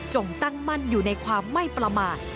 ตั้งมั่นอยู่ในความไม่ประมาท